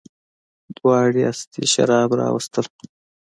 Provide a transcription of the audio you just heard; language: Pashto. دواړو استي شراب راوغوښتل.